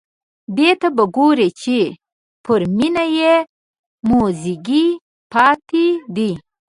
دې ته به ګوري چې پر مېنه یې موزیګی پاتې دی.